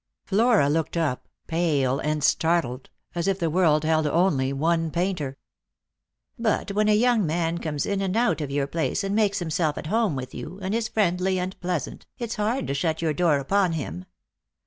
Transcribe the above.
Flora looked up, pale and startled, as if the world held only one painter. " But when a young man comes in and out of your place, and makes himself at home with you, and is friendly and pleasant, it's hard to shut your door upon him.